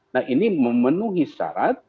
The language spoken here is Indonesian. nah ini memenuhi syarat